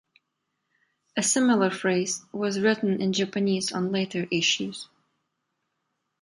A similar phrase was written in Japanese on later issues.